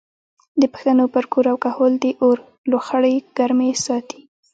د پښتنو پر کور او کهول د اور لوخړې ګرمې ساتي.